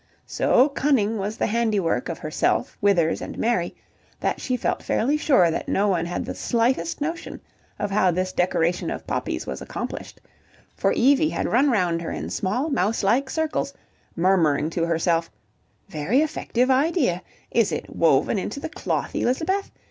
So cunning was the handiwork of herself, Withers and Mary that she felt fairly sure that no one had the slightest notion of how this decoration of poppies was accomplished, for Evie had run round her in small mouselike circles, murmuring to herself: "Very effective idea; is it woven into the cloth, Elizabeth?